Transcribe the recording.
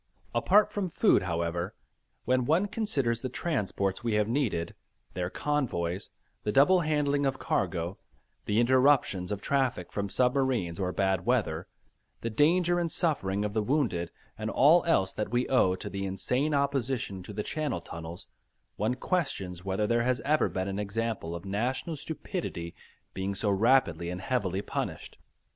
Apart from food however, when one considers the transports we have needed, their convoys, the double handling of cargo, the interruptions of traffic from submarines or bad weather, the danger and suffering of the wounded, and all else that we owe to the insane opposition to the Channel tunnels, one questions whether there has ever been an example of national stupidity being so rapidly and heavily punished.